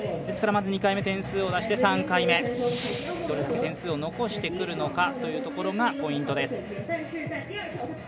２回目、点数を出して、３回目どれだけ点数を残してくるのかというところがポイントです。